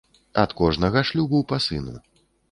Ад кожнага шлюбу па сыну.